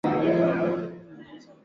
juu ya kile ambacho kimechangia kukamatwa